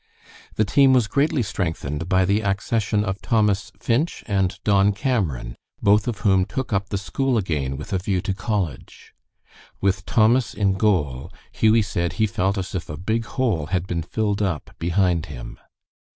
The team was greatly strengthened by the accession of Thomas Finch and Don Cameron, both of whom took up the school again with a view to college. With Thomas in goal, Hughie said he felt as if a big hole had been filled up behind him.